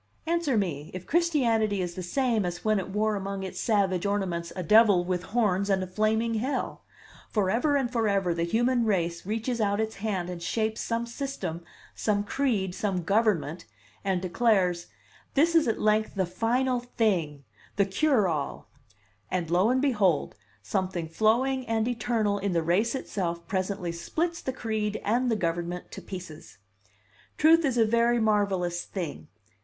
Answer me, if Christianity is the same as when it wore among its savage ornaments a devil with horns and a flaming Hell! Forever and forever the human race reaches out its hand and shapes some system, some creed, some government, and declares: 'This is at length the final thing, the cure all,' and lo and behold, something flowing and eternal in the race itself presently splits the creed and the government to pieces! Truth is a very marvelous thing.